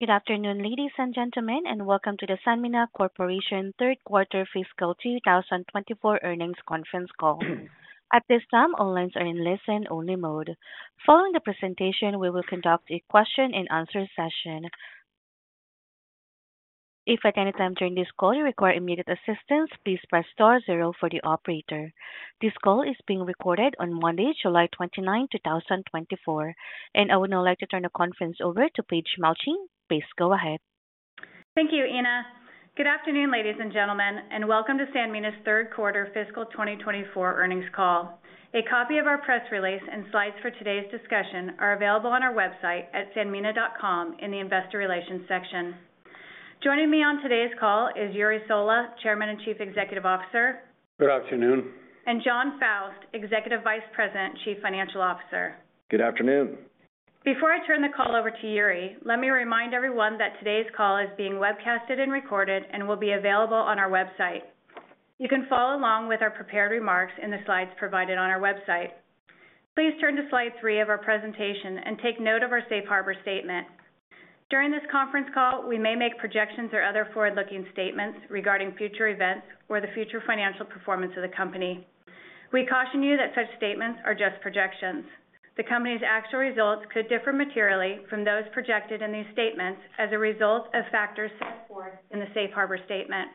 Good afternoon, ladies and gentlemen, and welcome to the Sanmina Corporation Third Quarter Fiscal 2024 Earnings Conference Call. At this time, all lines are in listen-only mode. Following the presentation, we will conduct a question-and-answer session. If at any time during this call you require immediate assistance, please press star zero for the operator. This call is being recorded on Monday, July 29th, 2024, and I would now like to turn the conference over to Paige Melching. Please go ahead. Thank you, Ina. Good afternoon, ladies and gentlemen, and welcome to Sanmina's Third Quarter Fiscal 2024 Earnings Call. A copy of our press release and slides for today's discussion are available on our website at sanmina.com in the Investor Relations section. Joining me on today's call is Jure Sola, Chairman and Chief Executive Officer. Good afternoon. Jon Faust, Executive Vice President, Chief Financial Officer. Good afternoon. Before I turn the call over to Jure, let me remind everyone that today's call is being webcasted and recorded and will be available on our website. You can follow along with our prepared remarks in the slides provided on our website. Please turn to slide three of our presentation and take note of our Safe Harbor Statement. During this conference call, we may make projections or other forward-looking statements regarding future events or the future financial performance of the company. We caution you that such statements are just projections. The company's actual results could differ materially from those projected in these statements as a result of factors set forth in the Safe Harbor Statement.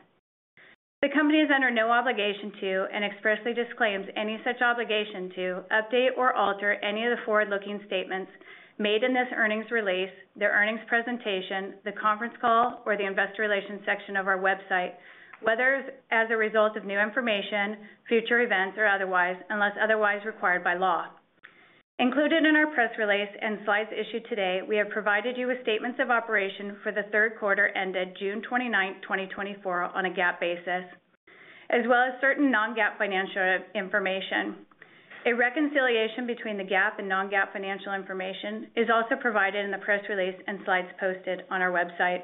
The company is under no obligation to, and expressly disclaims any such obligation to, update or alter any of the forward-looking statements made in this earnings release, the earnings presentation, the conference call, or the Investor Relations section of our website, whether as a result of new information, future events, or otherwise, unless otherwise required by law. Included in our press release and slides issued today, we have provided you with statements of operation for the third quarter ended June 29, 2024, on a GAAP basis, as well as certain non-GAAP financial information. A reconciliation between the GAAP and non-GAAP financial information is also provided in the press release and slides posted on our website.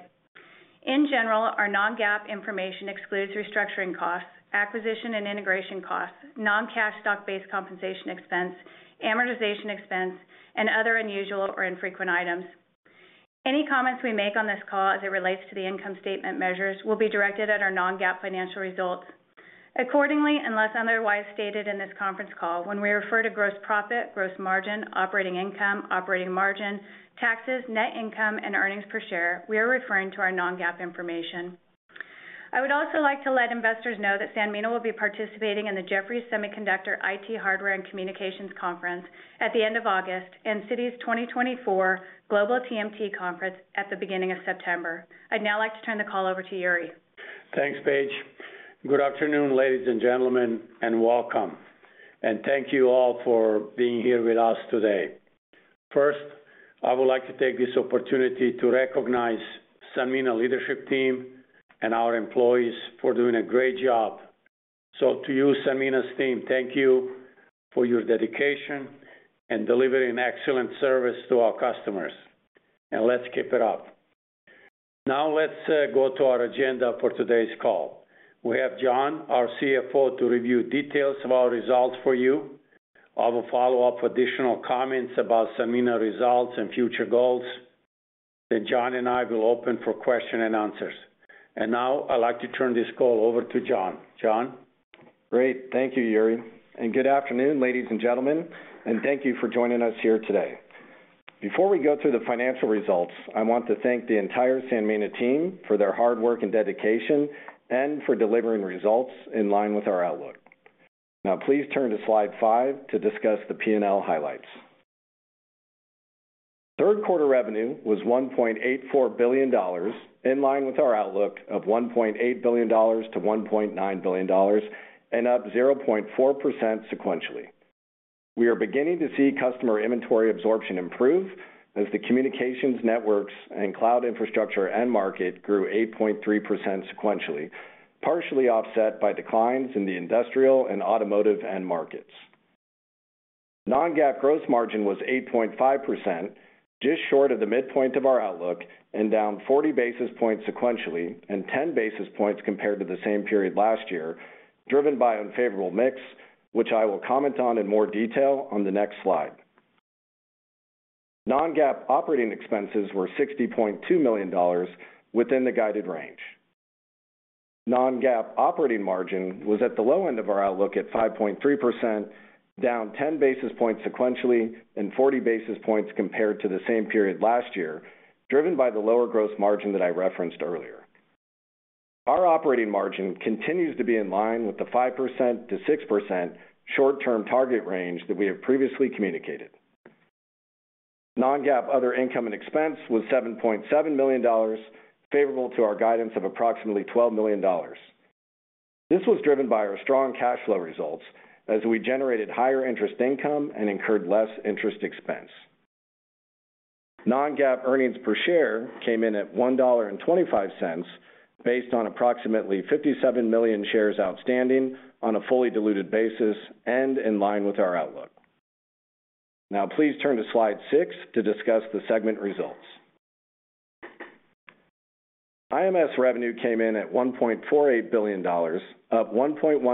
In general, our non-GAAP information excludes restructuring costs, acquisition and integration costs, non-cash stock-based compensation expense, amortization expense, and other unusual or infrequent items. Any comments we make on this call as it relates to the income statement measures will be directed at our non-GAAP financial results. Accordingly, unless otherwise stated in this conference call, when we refer to gross profit, gross margin, operating income, operating margin, taxes, net income, and earnings per share, we are referring to our non-GAAP information. I would also like to let investors know that Sanmina will be participating in the Jefferies Semiconductor, IT Hardware and Communications Conference at the end of August and Citi's 2024 Global TMT Conference at the beginning of September. I'd now like to turn the call over to Jure. Thanks, Paige. Good afternoon, ladies and gentlemen, and welcome. Thank you all for being here with us today. First, I would like to take this opportunity to recognize Sanmina leadership team and our employees for doing a great job. So to you, Sanmina's team, thank you for your dedication and delivering excellent service to our customers. Let's keep it up. Now let's go to our agenda for today's call. We have Jon, our CFO, to review details of our results for you. I will follow up additional comments about Sanmina results and future goals. Then Jon and I will open for questions and answers. Now I'd like to turn this call over to Jon. Jon. Great. Thank you, Jure. And good afternoon, ladies and gentlemen, and thank you for joining us here today. Before we go through the financial results, I want to thank the entire Sanmina team for their hard work and dedication and for delivering results in line with our outlook. Now, please turn to slide five to discuss the P&L highlights. Third quarter revenue was $1.84 billion, in line with our outlook of $1.8 billion-$1.9 billion, and up 0.4% sequentially. We are beginning to see customer inventory absorption improve as the communications, networks, and cloud infrastructure end market grew 8.3% sequentially, partially offset by declines in the industrial and automotive end markets. Non-GAAP gross margin was 8.5%, just short of the midpoint of our outlook, and down 40 basis points sequentially and 10 basis points compared to the same period last year, driven by unfavorable mix, which I will comment on in more detail on the next slide. Non-GAAP operating expenses were $60.2 million within the guided range. Non-GAAP operating margin was at the low end of our outlook at 5.3%, down 10 basis points sequentially and 40 basis points compared to the same period last year, driven by the lower gross margin that I referenced earlier. Our operating margin continues to be in line with the 5%-6% short-term target range that we have previously communicated. Non-GAAP other income and expense was $7.7 million, favorable to our guidance of approximately $12 million. This was driven by our strong cash flow results as we generated higher interest income and incurred less interest expense. Non-GAAP earnings per share came in at $1.25 based on approximately 57 million shares outstanding on a fully diluted basis and in line with our outlook. Now, please turn to slide six to discuss the segment results. IMS revenue came in at $1.48 billion, up 1.1%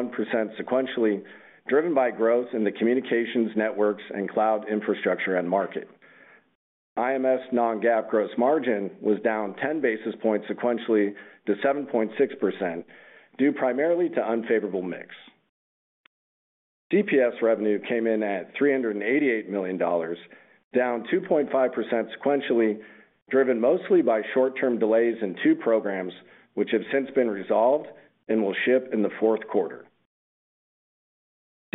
sequentially, driven by growth in the communications, networks, and cloud infrastructure end market. IMS non-GAAP gross margin was down 10 basis points sequentially to 7.6%, due primarily to unfavorable mix. CPS revenue came in at $388 million, down 2.5% sequentially, driven mostly by short-term delays in two programs, which have since been resolved and will ship in the fourth quarter.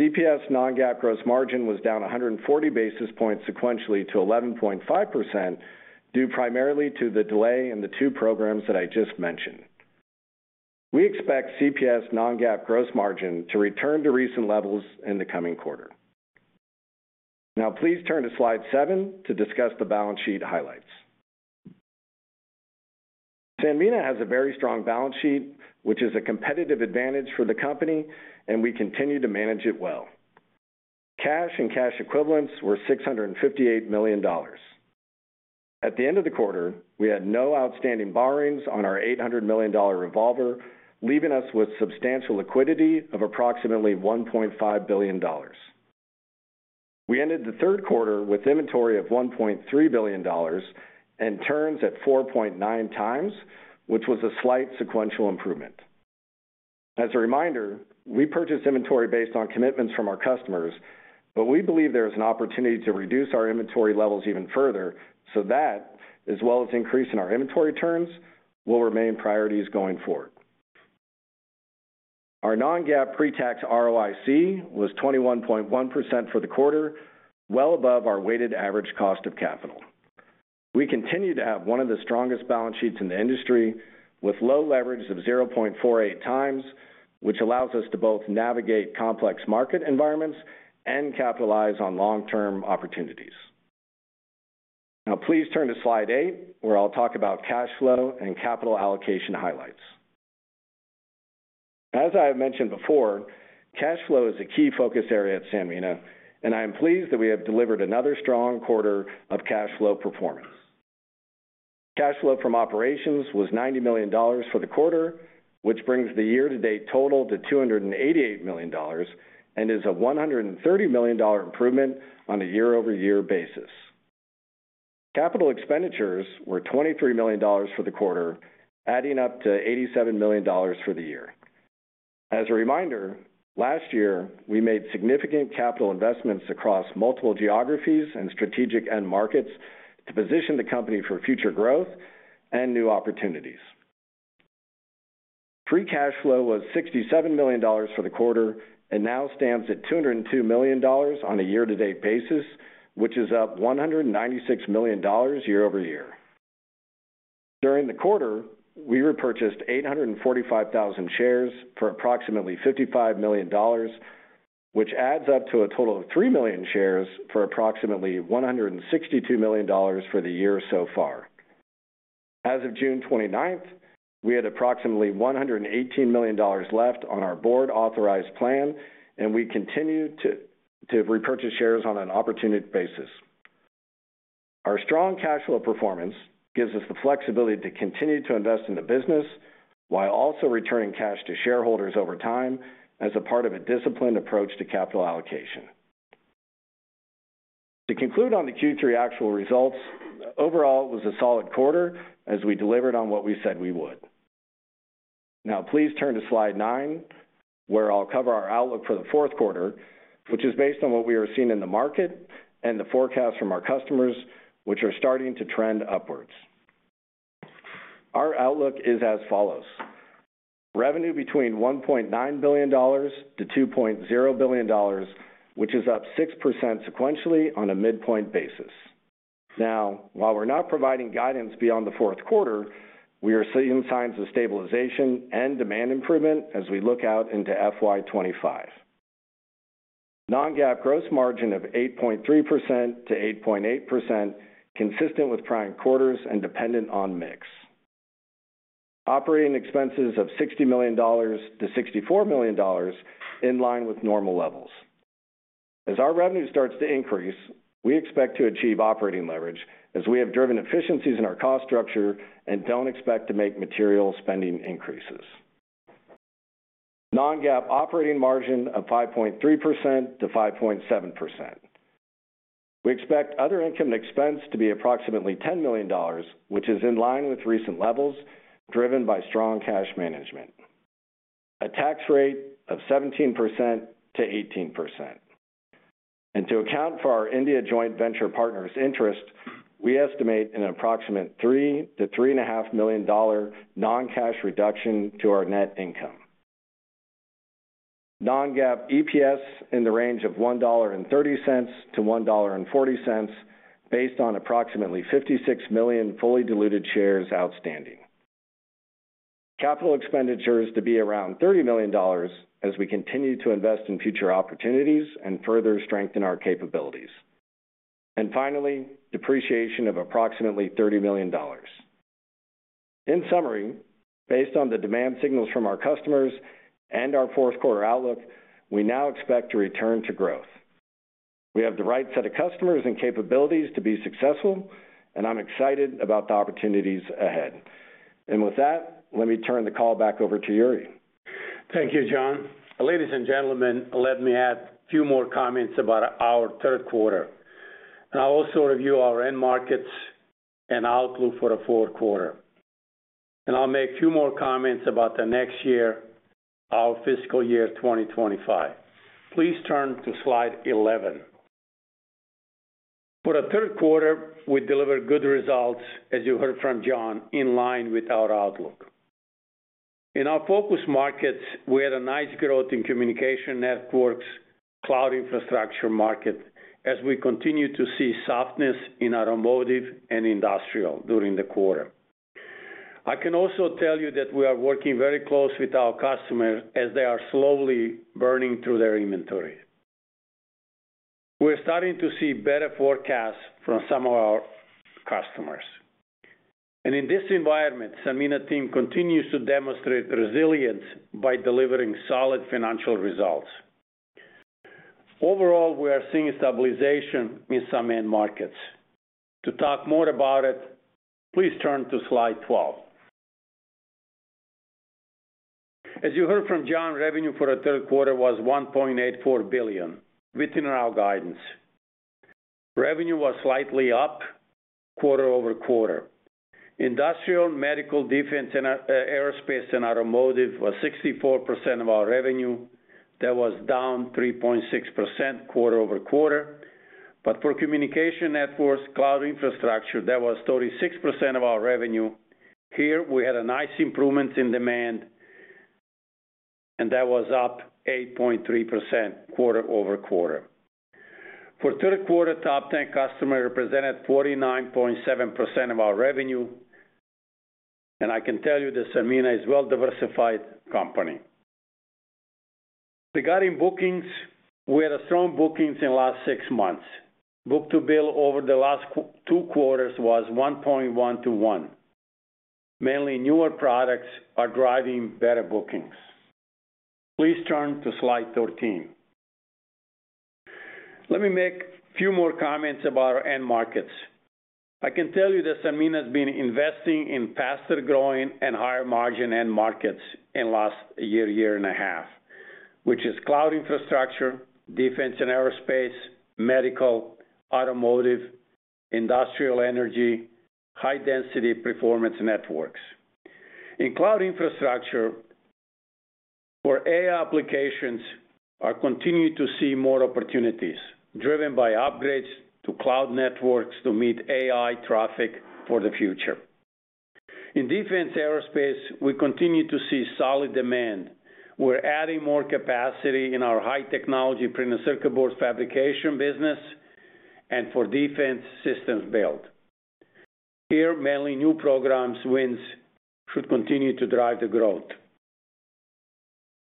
CPS non-GAAP gross margin was down 140 basis points sequentially to 11.5%, due primarily to the delay in the two programs that I just mentioned. We expect CPS non-GAAP gross margin to return to recent levels in the coming quarter. Now, please turn to slide seven to discuss the balance sheet highlights. Sanmina has a very strong balance sheet, which is a competitive advantage for the company, and we continue to manage it well. Cash and cash equivalents were $658 million. At the end of the quarter, we had no outstanding borrowings on our $800 million revolver, leaving us with substantial liquidity of approximately $1.5 billion. We ended the third quarter with inventory of $1.3 billion and turns at 4.9x, which was a slight sequential improvement. As a reminder, we purchase inventory based on commitments from our customers, but we believe there is an opportunity to reduce our inventory levels even further so that, as well as increasing our inventory turns, will remain priorities going forward. Our non-GAAP pre-tax ROIC was 21.1% for the quarter, well above our weighted average cost of capital. We continue to have one of the strongest balance sheets in the industry with low leverage of 0.48x, which allows us to both navigate complex market environments and capitalize on long-term opportunities. Now, please turn to slide 8, where I'll talk about cash flow and capital allocation highlights. As I have mentioned before, cash flow is a key focus area at Sanmina, and I am pleased that we have delivered another strong quarter of cash flow performance. Cash flow from operations was $90 million for the quarter, which brings the year-to-date total to $288 million and is a $130 million improvement on a year-over-year basis. Capital expenditures were $23 million for the quarter, adding up to $87 million for the year. As a reminder, last year, we made significant capital investments across multiple geographies and strategic end markets to position the company for future growth and new opportunities. Free cash flow was $67 million for the quarter and now stands at $202 million on a year-to-date basis, which is up $196 million year-over-year. During the quarter, we repurchased 845,000 shares for approximately $55 million, which adds up to a total of 3 million shares for approximately $162 million for the year so far. As of June 29th, we had approximately $118 million left on our board-authorized plan, and we continue to repurchase shares on an opportunity basis. Our strong cash flow performance gives us the flexibility to continue to invest in the business while also returning cash to shareholders over time as a part of a disciplined approach to capital allocation. To conclude on the Q3 actual results, overall, it was a solid quarter as we delivered on what we said we would. Now, please turn to slide nine, where I'll cover our outlook for the fourth quarter, which is based on what we are seeing in the market and the forecast from our customers, which are starting to trend upwards. Our outlook is as follows: revenue between $1.9 billion-$2.0 billion, which is up 6% sequentially on a midpoint basis. Now, while we're not providing guidance beyond the fourth quarter, we are seeing signs of stabilization and demand improvement as we look out into FY 2025. Non-GAAP gross margin of 8.3%-8.8%, consistent with prior quarters and dependent on mix. Operating expenses of $60 million-$64 million in line with normal levels. As our revenue starts to increase, we expect to achieve operating leverage as we have driven efficiencies in our cost structure and don't expect to make material spending increases. Non-GAAP operating margin of 5.3%-5.7%. We expect other income and expense to be approximately $10 million, which is in line with recent levels driven by strong cash management. A tax rate of 17%-18%. And to account for our India joint venture partners' interest, we estimate an approximate $3 million-$3.5 million non-cash reduction to our net income. Non-GAAP EPS in the range of $1.30-$1.40 based on approximately 56 million fully diluted shares outstanding. Capital expenditures to be around $30 million as we continue to invest in future opportunities and further strengthen our capabilities. And finally, depreciation of approximately $30 million. In summary, based on the demand signals from our customers and our fourth quarter outlook, we now expect to return to growth. We have the right set of customers and capabilities to be successful, and I'm excited about the opportunities ahead. And with that, let me turn the call back over to Jure. Thank you, Jon. Ladies and gentlemen, let me add a few more comments about our third quarter. I'll also review our end markets and outlook for the fourth quarter. I'll make a few more comments about the next year, our fiscal year 2025. Please turn to slide 11. For the third quarter, we delivered good results, as you heard from Jon, in line with our outlook. In our focus markets, we had a nice growth in communication networks, cloud infrastructure market, as we continue to see softness in automotive and industrial during the quarter. I can also tell you that we are working very close with our customers as they are slowly burning through their inventory. We're starting to see better forecasts from some of our customers. And in this environment, the Sanmina team continues to demonstrate resilience by delivering solid financial results. Overall, we are seeing stabilization in some end markets. To talk more about it, please turn to slide 12. As you heard from Jon, revenue for the third quarter was $1.84 billion within our guidance. Revenue was slightly up quarter-over-quarter. Industrial, medical, defense, and aerospace and automotive was 64% of our revenue. That was down 3.6% quarter-over-quarter. But for communication networks, cloud infrastructure, that was 36% of our revenue. Here, we had a nice improvement in demand, and that was up 8.3% quarter-over-quarter. For third quarter, top 10 customers represented 49.7% of our revenue. I can tell you that Sanmina is a well-diversified company. Regarding bookings, we had strong bookings in the last six months. Book-to-bill over the last two quarters was 1.1 to 1. Mainly newer products are driving better bookings. Please turn to slide 13. Let me make a few more comments about our end markets. I can tell you that Sanmina has been investing in faster-growing and higher-margin end markets in the last year, year and a half, which is cloud infrastructure, defense and aerospace, medical, automotive, industrial energy, high-density performance networks. In cloud infrastructure, where AI applications are continuing to see more opportunities, driven by upgrades to cloud networks to meet AI traffic for the future. In defense aerospace, we continue to see solid demand. We're adding more capacity in our high-technology printed circuit boards fabrication business and for defense systems build. Here, mainly new programs, wins should continue to drive the growth.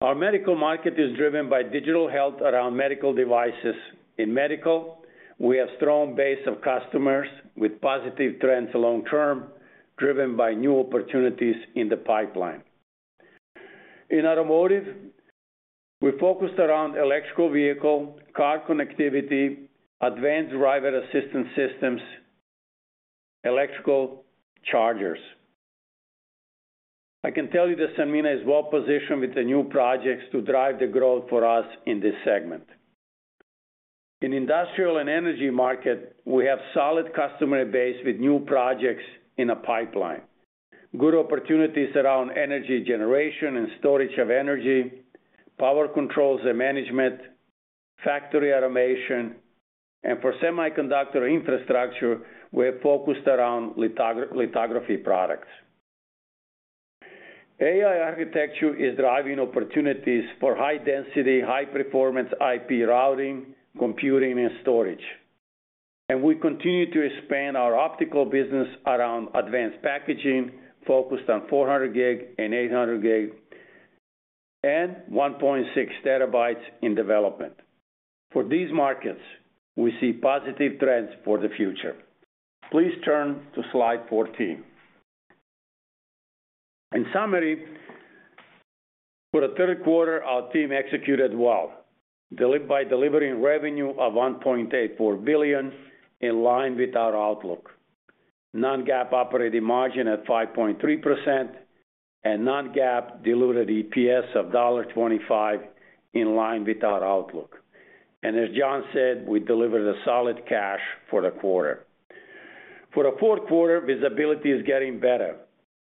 Our medical market is driven by digital health around medical devices. In medical, we have a strong base of customers with positive trends long-term, driven by new opportunities in the pipeline. In automotive, we focused around electric vehicle, car connectivity, advanced driver assistance systems, electric chargers. I can tell you that Sanmina is well-positioned with the new projects to drive the growth for us in this segment. In industrial and energy market, we have a solid customer base with new projects in a pipeline. Good opportunities around energy generation and storage of energy, power controls and management, factory automation. For semiconductor infrastructure, we're focused around lithography products. AI architecture is driving opportunities for high-density, high-performance IP routing, computing, and storage. We continue to expand our optical business around advanced packaging, focused on 400G and 800G, and 1.6T in development. For these markets, we see positive trends for the future. Please turn to slide 14. In summary, for the third quarter, our team executed well, by delivering revenue of $1.84 billion in line with our outlook. Non-GAAP operating margin at 5.3% and non-GAAP diluted EPS of $1.25 in line with our outlook. And as Jon said, we delivered a solid cash for the quarter. For the fourth quarter, visibility is getting better.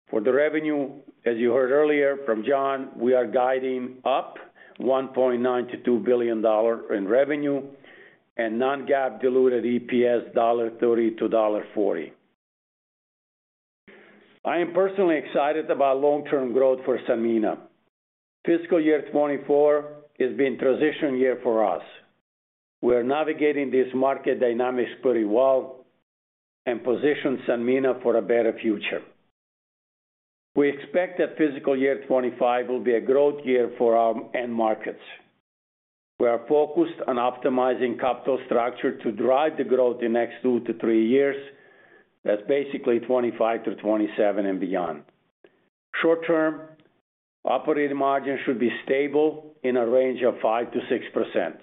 For the revenue, as you heard earlier from Jon, we are guiding up $1.92 billion in revenue and non-GAAP diluted EPS $1.30-$1.40. I am personally excited about long-term growth for Sanmina. Fiscal year 2024 has been a transition year for us. We're navigating these market dynamics pretty well and positioning Sanmina for a better future. We expect that fiscal year 2025 will be a growth year for our end markets. We are focused on optimizing capital structure to drive the growth in the next two to three years. That's basically 2025-2027 and beyond. Short-term, operating margin should be stable in a range of 5%-6%.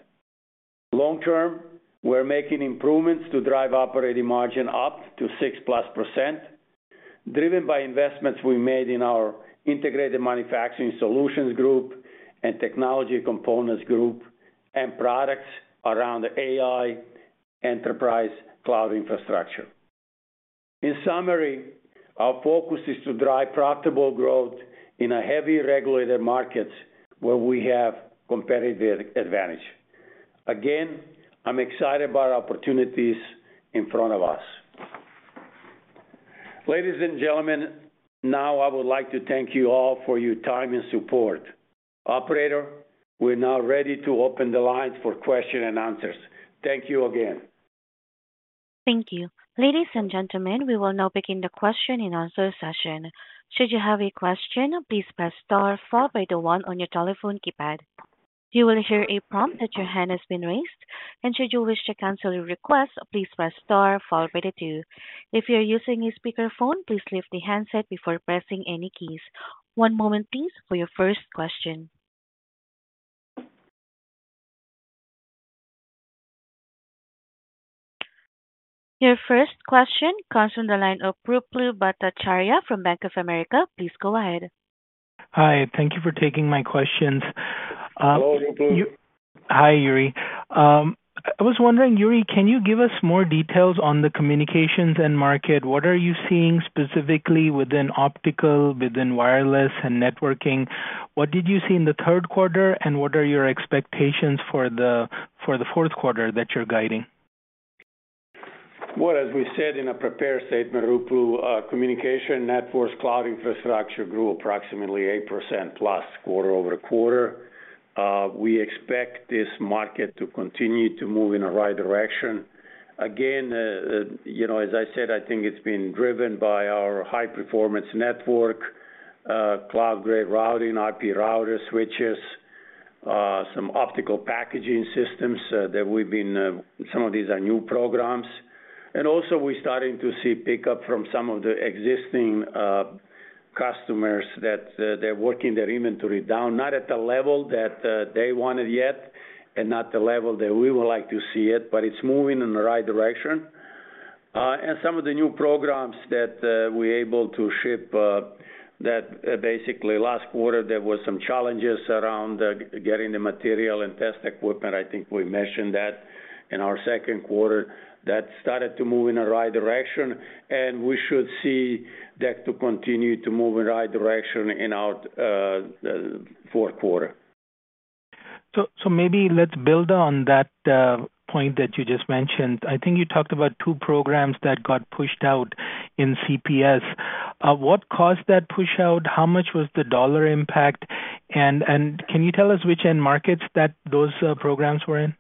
Long-term, we're making improvements to drive operating margin up to 6%+, driven by investments we made in our Integrated Manufacturing Solutions group and Technology Components group and products around the AI enterprise cloud infrastructure. In summary, our focus is to drive profitable growth in heavily regulated markets where we have a competitive advantage. Again, I'm excited about opportunities in front of us. Ladies and gentlemen, now I would like to thank you all for your time and support. Operator, we're now ready to open the lines for questions and answers. Thank you again. Thank you. Ladies and gentlemen, we will now begin the question and answer session. Should you have a question, please press star followed by the one on your telephone keypad. You will hear a prompt that your hand has been raised. Should you wish to cancel your request, please press star followed by the two. If you're using a speakerphone, please lift the handset before pressing any keys. One moment, please, for your first question. Your first question comes from the line of Ruplu Bhattacharya from Bank of America. Please go ahead. Hi. Thank you for taking my questions. Hello, you too. Hi, Jure. I was wondering, Jure, can you give us more details on the communications end market? What are you seeing specifically within optical, within wireless, and networking? What did you see in the third quarter, and what are your expectations for the fourth quarter that you're guiding? Well, as we said in a prepared statement, our communications networks, cloud infrastructure grew approximately 8%+, quarter-over-quarter. We expect this market to continue to move in the right direction. Again, as I said, I think it's been driven by our high-performance network, cloud-grade routing, IP routers, switches, some optical packaging systems that we've been. Some of these are new programs. And also, we're starting to see pickup from some of the existing customers that they're working their inventory down, not at the level that they wanted yet and not the level that we would like to see it, but it's moving in the right direction. And some of the new programs that we're able to ship, that basically last quarter, there were some challenges around getting the material and test equipment. I think we mentioned that in our second quarter. That started to move in the right direction, and we should see that to continue to move in the right direction in our fourth quarter. So maybe let's build on that point that you just mentioned. I think you talked about two programs that got pushed out in CPS. What caused that push out? How much was the dollar impact? And can you tell us which end markets those programs were in?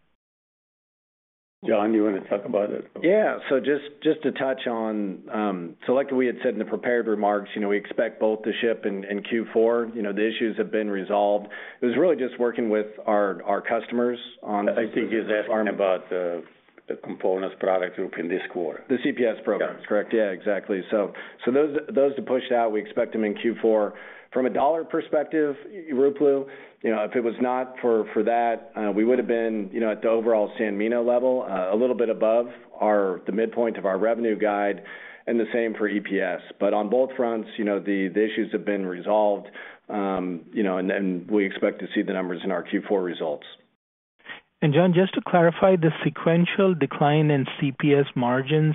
Jon, you want to talk about it? Yeah. So just to touch on, so like we had said in the prepared remarks, we expect both to ship in Q4. The issues have been resolved. It was really just working with our customers on. I think it's about the components product group in this quarter. The CPS programs, correct? Yeah, exactly. So those to push out, we expect them in Q4. From a dollar perspective, Ruplu, if it was not for that, we would have been at the overall Sanmina level, a little bit above the midpoint of our revenue guide, and the same for EPS. But on both fronts, the issues have been resolved, and we expect to see the numbers in our Q4 results. Jon, just to clarify, the sequential decline in CPS margins,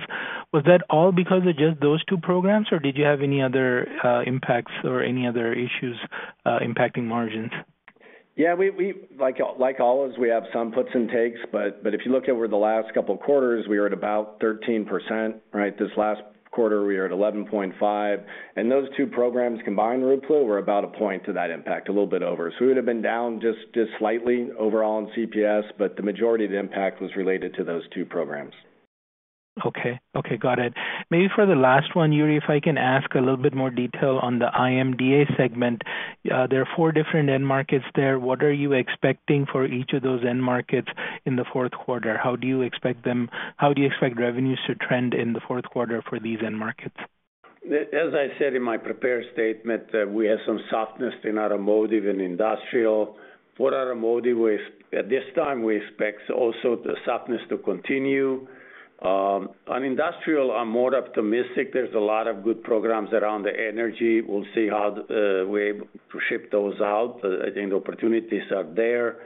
was that all because of just those two programs, or did you have any other impacts or any other issues impacting margins? Yeah. Like always, we have some puts and takes, but if you look over the last couple of quarters, we were at about 13%. This last quarter, we were at 11.5. And those two programs combined, Ruplu, were about a point to that impact, a little bit over. So we would have been down just slightly overall in CPS, but the majority of the impact was related to those two programs. Okay. Okay. Got it. Maybe for the last one, Jure, if I can ask a little bit more detail on the IMDA segment. There are four different end markets there. What are you expecting for each of those end markets in the fourth quarter? How do you expect revenues to trend in the fourth quarter for these end markets? As I said in my prepared statement, we have some softness in automotive and industrial. For automotive, at this time, we expect also the softness to continue. On industrial, I'm more optimistic. There's a lot of good programs around the energy. We'll see how we're able to ship those out. I think the opportunities are there.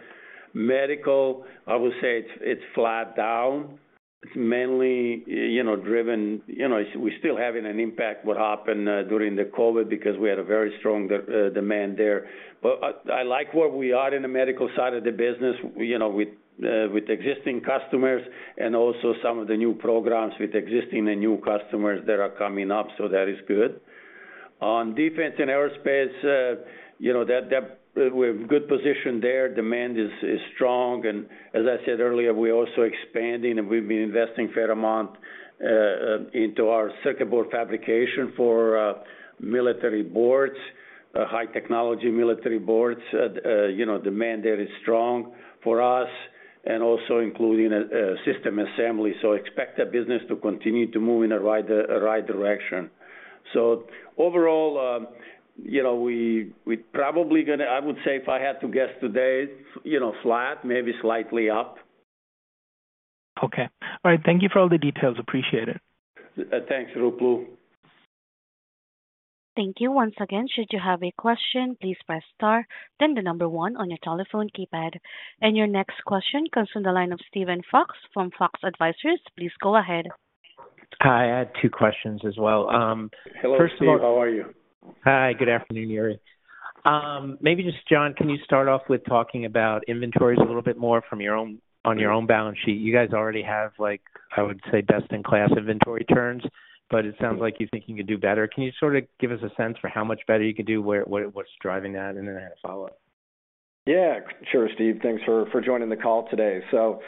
Medical, I would say it's flat down. It's mainly driven, we're still having an impact of what happened during the COVID because we had a very strong demand there. But I like where we are in the medical side of the business with existing customers and also some of the new programs with existing and new customers that are coming up, so that is good. On defense and aerospace, we're in a good position there. Demand is strong. As I said earlier, we're also expanding, and we've been investing a fair amount into our circuit board fabrication for military boards, high-technology military boards. Demand there is strong for us, and also including system assembly. Expect the business to continue to move in the right direction. Overall, we're probably going to, I would say, if I had to guess today, flat, maybe slightly up. Okay. All right. Thank you for all the details. Appreciate it. Thanks, Ruplu. Thank you. Once again, should you have a question, please press star, then the number one on your telephone keypad. Your next question comes from the line of Steven Fox from Fox Advisors. Please go ahead. Hi. I had two questions as well. First of all. Hello, Steve. How are you? Hi. Good afternoon, Jure. Maybe just, Jon, can you start off with talking about inventories a little bit more on your own balance sheet? You guys already have, I would say, best-in-class inventory turns, but it sounds like you think you could do better. Can you sort of give us a sense for how much better you could do? What's driving that? And then I had a follow-up. Yeah. Sure, Steve. Thanks for joining the call today. So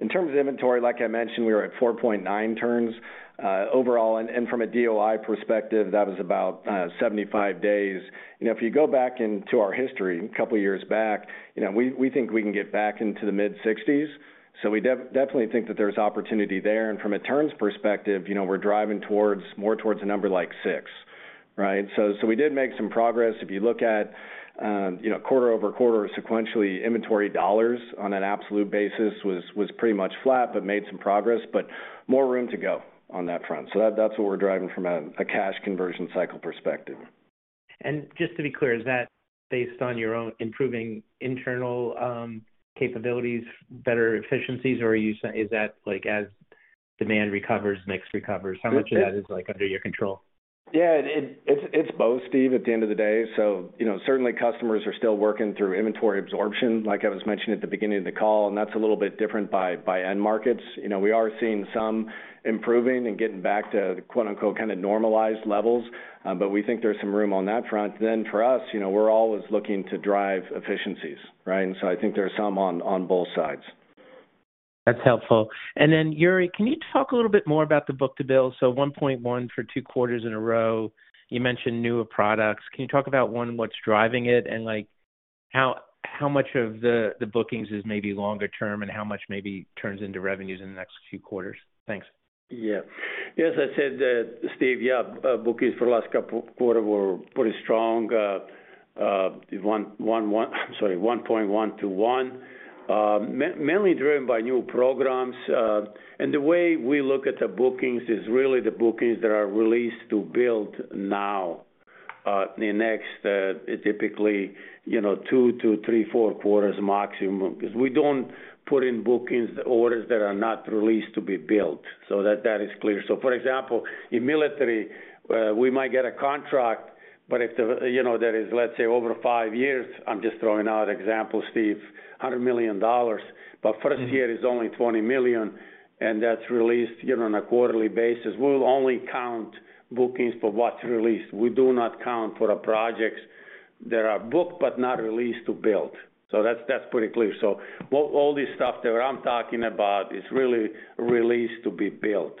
in terms of inventory, like I mentioned, we were at 4.9 turns overall. And from a DOI perspective, that was about 75 days. If you go back into our history a couple of years back, we think we can get back into the mid-60s. So we definitely think that there's opportunity there. And from a turns perspective, we're driving more towards a number like 6, right? So we did make some progress. If you look at quarter-over-quarter, sequentially, inventory dollars on an absolute basis was pretty much flat but made some progress, but more room to go on that front. So that's what we're driving from a cash conversion cycle perspective. Just to be clear, is that based on your own improving internal capabilities, better efficiencies, or is that as demand recovers, mix recovers? How much of that is under your control? Yeah. It's both, Steve, at the end of the day. So certainly, customers are still working through inventory absorption, like I was mentioning at the beginning of the call. That's a little bit different by end markets. We are seeing some improving and getting back to "kind of normalized" levels, but we think there's some room on that front. Then for us, we're always looking to drive efficiencies, right? So I think there's some on both sides. That's helpful. And then, Jure, can you talk a little bit more about the book-to-bill? So 1.1 for two quarters in a row. You mentioned newer products. Can you talk about one, what's driving it, and how much of the bookings is maybe longer term and how much maybe turns into revenues in the next few quarters? Thanks. Yeah. As I said, Steve, yeah, bookings for the last couple of quarters were pretty strong. Sorry, 1.1 to 1, mainly driven by new programs. And the way we look at the bookings is really the bookings that are released to build now. The next, typically, 2 to 3, 4 quarters maximum. Because we don't put in bookings orders that are not released to be built. So that is clear. So for example, in military, we might get a contract, but if there is, let's say, over 5 years, I'm just throwing out an example, Steve, $100 million, but first year is only $20 million, and that's released on a quarterly basis. We'll only count bookings for what's released. We do not count for projects that are booked but not released to build. So that's pretty clear. So all this stuff that I'm talking about is really released to be built.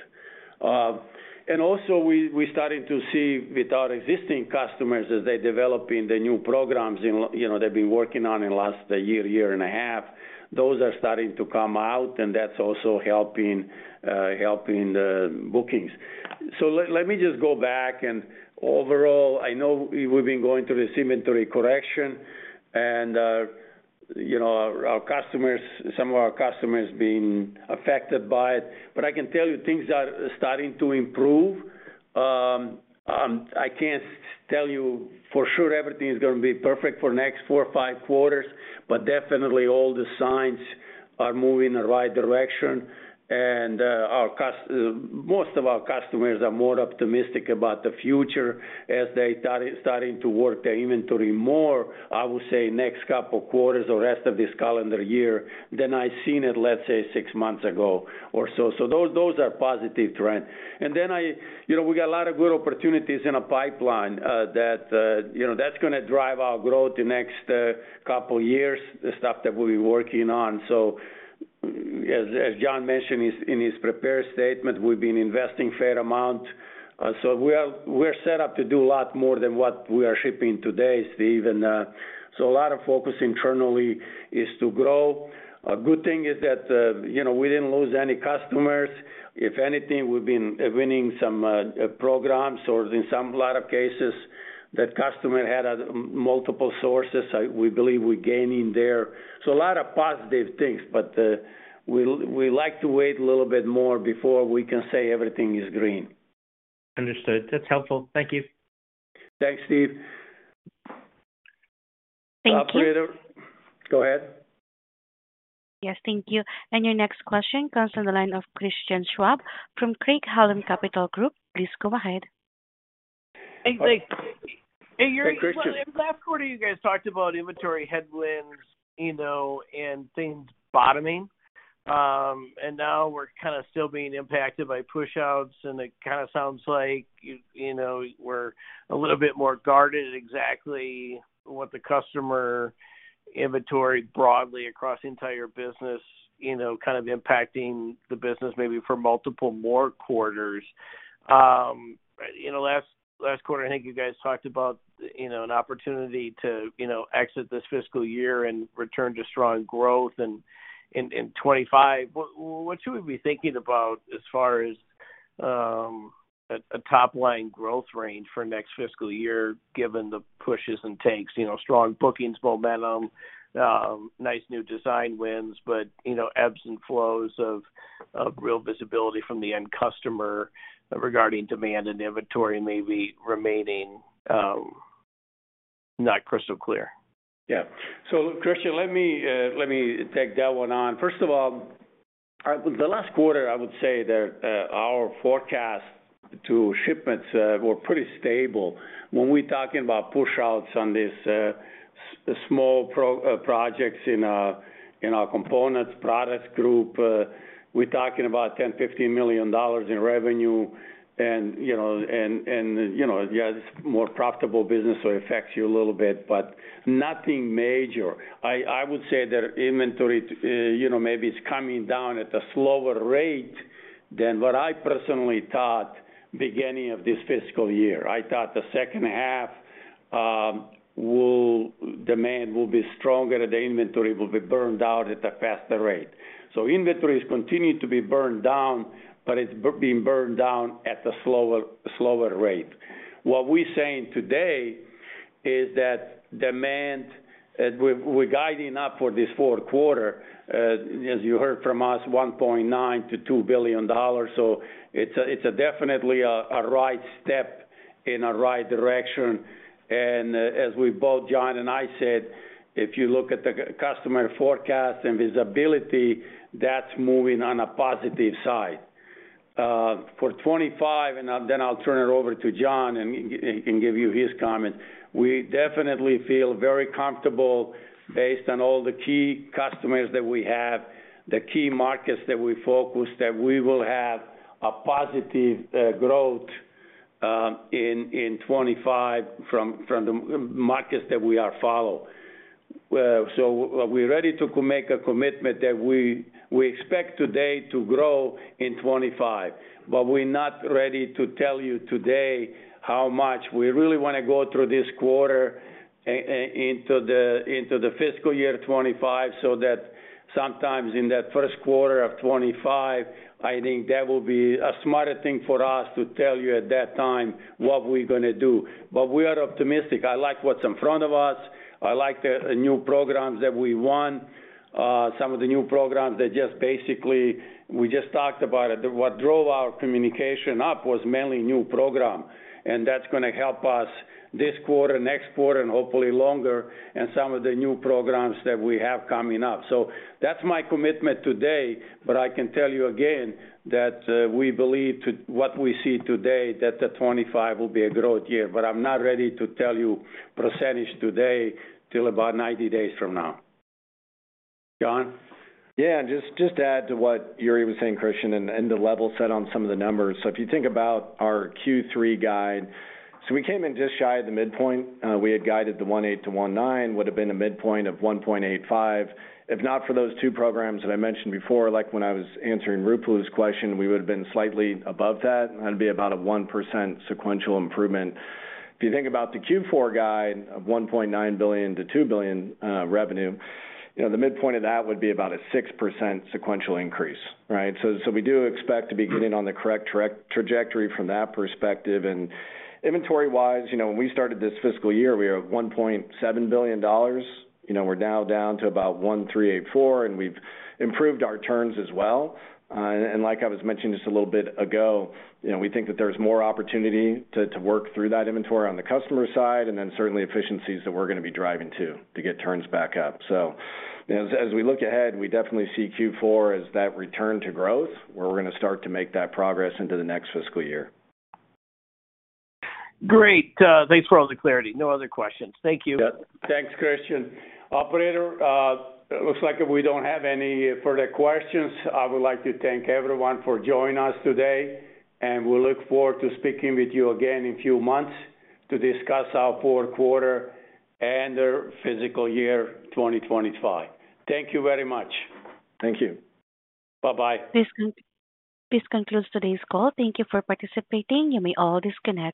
And also, we're starting to see with our existing customers as they're developing the new programs they've been working on in the last year and a half, those are starting to come out, and that's also helping bookings. So let me just go back. And overall, I know we've been going through this inventory correction, and some of our customers have been affected by it. But I can tell you things are starting to improve. I can't tell you for sure everything is going to be perfect for the next 4 or 5 quarters, but definitely all the signs are moving in the right direction. And most of our customers are more optimistic about the future as they're starting to work their inventory more, I would say, next couple of quarters or rest of this calendar year than I've seen it, let's say, 6 months ago or so. So those are positive trends. And then we got a lot of good opportunities in our pipeline. That's going to drive our growth in the next couple of years, the stuff that we'll be working on. So as Jon mentioned in his prepared statement, we've been investing a fair amount. So we're set up to do a lot more than what we are shipping today, Steve. And so a lot of focus internally is to grow. A good thing is that we didn't lose any customers. If anything, we've been winning some programs or in a lot of cases, that customer had multiple sources. We believe we're gaining there. So a lot of positive things, but we like to wait a little bit more before we can say everything is green. Understood. That's helpful. Thank you. Thanks, Steve. Thank you. Go ahead. Yes. Thank you. And your next question comes from the line of Christian Schwab from Craig-Hallum Capital Group. Please go ahead. Hey, Jure. Hey, Christian. Last quarter, you guys talked about inventory headwinds and things bottoming. Now we're kind of still being impacted by push-outs, and it kind of sounds like we're a little bit more guarded at exactly what the customer inventory broadly across the entire business is kind of impacting the business maybe for multiple more quarters. Last quarter, I think you guys talked about an opportunity to exit this fiscal year and return to strong growth in 2025. What should we be thinking about as far as a top-line growth range for next fiscal year given the pushes and takes? Strong bookings momentum, nice new design wins, but ebbs and flows of real visibility from the end customer regarding demand and inventory may be remaining not crystal clear. Yeah. So Christian, let me take that one on. First of all, the last quarter, I would say that our forecast to shipments were pretty stable. When we're talking about push-outs on these small projects in our components product group, we're talking about $10 million-$15 million in revenue. And yeah, it's more profitable business, so it affects you a little bit, but nothing major. I would say that inventory maybe is coming down at a slower rate than what I personally thought beginning of this fiscal year. I thought the second half, demand will be stronger, and the inventory will be burned out at a faster rate. So inventory is continuing to be burned down, but it's being burned down at a slower rate. What we're saying today is that demand, we're guiding up for this fourth quarter, as you heard from us, $1.9 billion-$2 billion. So it's definitely a right step in a right direction. And as we both, Jon and I, said, if you look at the customer forecast and visibility, that's moving on a positive side. For 2025, and then I'll turn it over to Jon and he can give you his comment. We definitely feel very comfortable based on all the key customers that we have, the key markets that we focus on, that we will have a positive growth in 2025 from the markets that we are following. So we're ready to make a commitment that we expect today to grow in 2025, but we're not ready to tell you today how much. We really want to go through this quarter into the fiscal year 2025 so that sometimes in that first quarter of 2025, I think that will be a smarter thing for us to tell you at that time what we're going to do. But we are optimistic. I like what's in front of us. I like the new programs that we won. Some of the new programs that just basically—we just talked about it. What drove our communication up was mainly new program. And that's going to help us this quarter, next quarter, and hopefully longer, and some of the new programs that we have coming up. So that's my commitment today. But I can tell you again that we believe what we see today, that the 2025 will be a growth year. But I'm not ready to tell you percentage today till about 90 days from now. Jon? Yeah. Just to add to what Jure was saying, Christian, and the level set on some of the numbers. So if you think about our Q3 guide, so we came in just shy of the midpoint. We had guided $1.8 billion-$1.9 billion, would have been a midpoint of $1.85 billion. If not for those two programs that I mentioned before, like when I was answering Ruplu's question, we would have been slightly above that. That'd be about a 1% sequential improvement. If you think about the Q4 guide, $1.9 billion-$2 billion revenue, the midpoint of that would be about a 6% sequential increase, right? So we do expect to be getting on the correct trajectory from that perspective. And inventory-wise, when we started this fiscal year, we were at $1.7 billion. We're now down to about $1.384 billion, and we've improved our turns as well. Like I was mentioning just a little bit ago, we think that there's more opportunity to work through that inventory on the customer side and then certainly efficiencies that we're going to be driving to get turns back up. As we look ahead, we definitely see Q4 as that return to growth where we're going to start to make that progress into the next fiscal year. Great. Thanks for all the clarity. No other questions. Thank you. Yeah. Thanks, Christian. Operator, it looks like we don't have any further questions. I would like to thank everyone for joining us today. We look forward to speaking with you again in a few months to discuss our fourth quarter and the fiscal year 2025. Thank you very much. Thank you. Bye-bye. This concludes today's call. Thank you for participating. You may all disconnect.